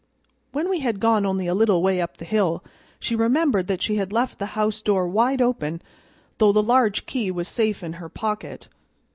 When we had gone only a little way up the hill she remembered that she had left the house door wide open, though the large key was safe in her pocket.